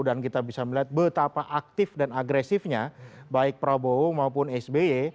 dan kita bisa melihat betapa aktif dan agresifnya baik prabowo maupun sby